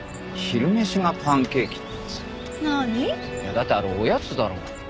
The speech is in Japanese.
だってあれおやつだろ？